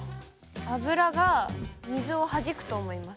油が水をはじくと思います。